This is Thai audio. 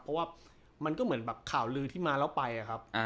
เพราะว่ามันก็เหมือนแบบข่าวลือที่มาแล้วไปอะครับ